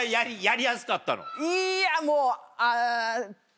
いやもうあ。